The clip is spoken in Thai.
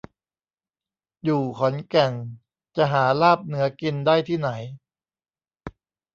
อยู่ขอนแก่นจะหาลาบเหนือกินได้ที่ไหน